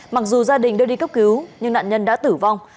mặc dù gia đình đưa đi cấp cứu nhưng nạn nhân đã tử vong